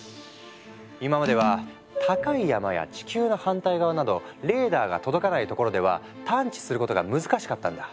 今までは高い山や地球の反対側などレーダーが届かない所では探知することが難しかったんだ。